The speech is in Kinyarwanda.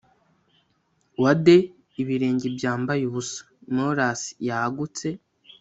wade, ibirenge byambaye ubusa! morass yagutse